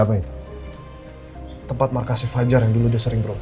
gak ngapain disini al